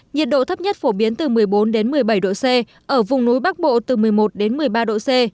nhiệt độ thấp nhất phổ biến từ một mươi bốn một mươi bảy độ c ở vùng núi bắc bộ từ một mươi một đến một mươi ba độ c